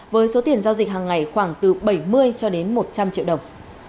với số tiền giao dịch hàng ngày khoảng từ bảy mươi cho đến một trăm linh triệu đồng